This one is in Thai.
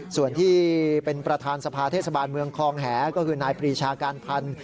ส่วนที่เป็นประธานสภาเทศบาลเมืองคลองแหก็คือนายปรีชาการพันธ์